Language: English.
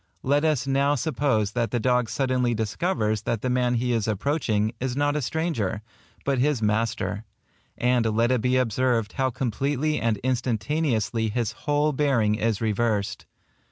Let us now suppose that the dog suddenly discovers that the man he is approaching, is not a stranger, but his master; and let it be observed how completely and instantaneously his whole bearing is reversed.